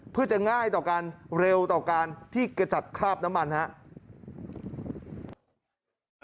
เพื่อจะง่ายต่อการเร็วต่อการที่กระจัดคราบน้ำมันครับ